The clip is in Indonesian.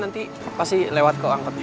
nanti pasti lewat ke angkotnya